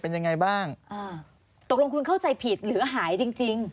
เป็นยังไงบ้างอ่าตกลงคุณเข้าใจผิดหรือหายจริงจริง